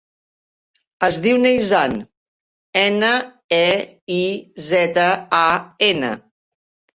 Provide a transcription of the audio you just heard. Es diu Neizan: ena, e, i, zeta, a, ena.